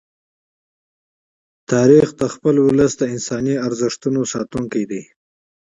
تاریخ د خپل ولس د انساني ارزښتونو ساتونکی دی.